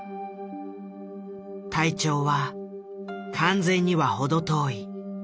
体調は完全には程遠い。